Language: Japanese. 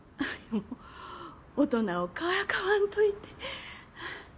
大人をからかわんといて。